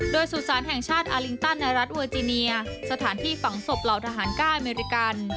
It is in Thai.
โดยสุสานแห่งชาติอาลิงตันในรัฐเวอร์จิเนียสถานที่ฝังศพเหล่าทหารก้าอเมริกัน